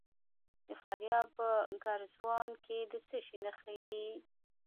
د فاریاب په ګرزوان کې د څه شي نښې دي؟